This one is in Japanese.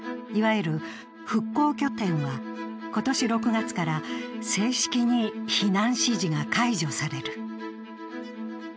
いわゆる復興拠点は、今年６月から正式に避難指示が解除される。